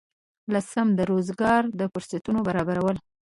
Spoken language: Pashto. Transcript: لسم: د روزګار د فرصتونو برابرول.